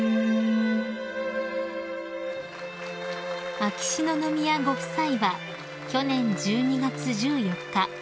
［秋篠宮ご夫妻は去年１２月１４日